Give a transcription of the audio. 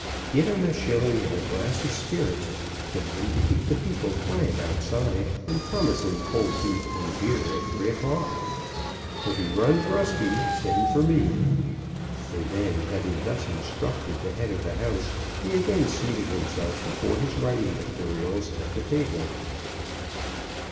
"Give him a shilling and a glass of spirits; beg him to keep the people quiet outside, and promise him cold beef and beer at three o'clock. If he runs rusty, send for me." And then, having thus instructed the head of the house, he again seated himself before his writing materials at the table.